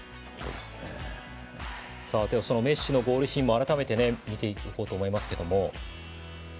では、そのメッシのゴールシーンも改めて見ていこうと思います。